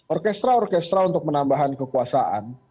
orkestra orkestra untuk menambahan kekuasaan